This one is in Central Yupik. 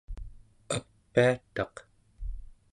apiataq